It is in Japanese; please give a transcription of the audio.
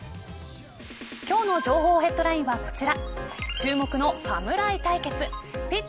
今日の情報ヘッドラインはこちら。